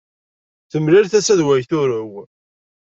Temlal tasa d way turew.